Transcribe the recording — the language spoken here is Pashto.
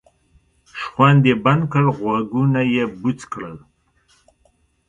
شخوند یې بند کړ غوږونه یې بوڅ کړل.